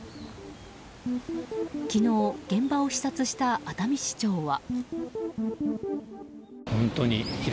昨日現場を視察した熱海市長は。